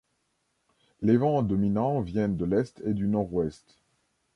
Les vents dominants viennent de l'est et du nord-ouest.